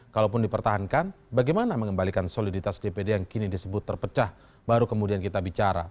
kalaupun dipertahankan bagaimana mengembalikan soliditas dpd yang kini disebut terpecah baru kemudian kita bicara